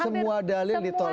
semua dalil ditolak ya